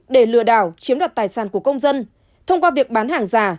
để lừa đảo chiếm đoạt tài sản của công dân thông qua việc bán hàng giả